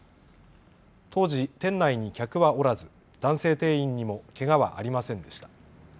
当時、店内に客はおらず男性店員にもけがはありませんでした。